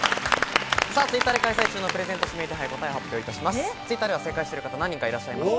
Ｔｗｉｔｔｅｒで開催中のプレゼント指名手配、答えを発表いたします。